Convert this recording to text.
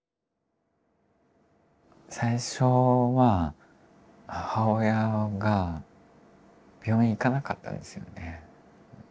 最初は母親が病院行かなかったんですよね。